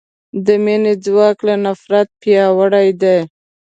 د مینې ځواک له نفرت پیاوړی دی.